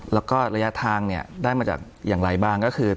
แล้วก็ระยะทางเนี่ยได้มาจากอย่างไรบ้างก็คือ